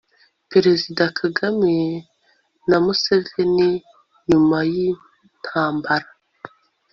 perezida kagame na museveni nyuma y'intambara